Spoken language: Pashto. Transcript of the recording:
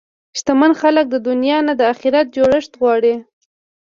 شتمن خلک د دنیا نه د اخرت جوړښت غواړي.